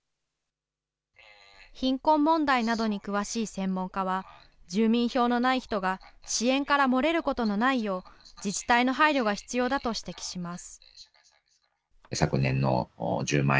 貧困問題などに詳しい専門家は、住民票のない人が支援から漏れることのないよう、自治体の配慮が必要だと指摘します。